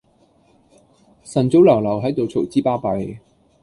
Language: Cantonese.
晨早流流喺度嘈之巴閉